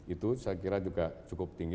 itu saya kira juga cukup tinggi